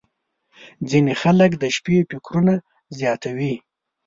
• ځینې خلک د شپې فکرونه زیاتوي.